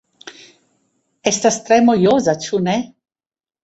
Estas tre mojosa, ĉu ne?